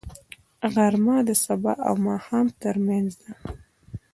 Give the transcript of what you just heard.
غرمه د سبا او ماښام ترمنځ دی